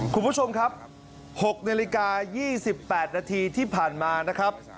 คุณผู้ชมครับ๖นาฬิกา๒๘นาทีที่ผ่านมานะครับ